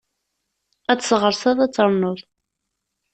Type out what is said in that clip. Ad tesɣeṛṣeḍ, ad ternuḍ!